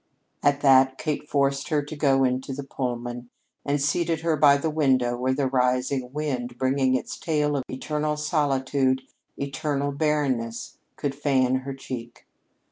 At that Kate forced her to go into the Pullman, and seated her by the window where the rising wind, bringing its tale of eternal solitude, eternal barrenness, could fan her cheek.